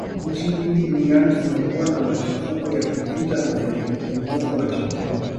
Nchi nyingi duniani zimekuwa na machafuko ya kivita na zenye upungufu wa chakula